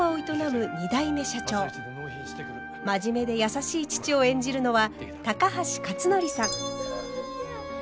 真面目で優しい父を演じるのは高橋克典さん。